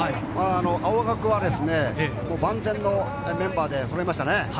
青学は万全のメンバーがそろいましたね。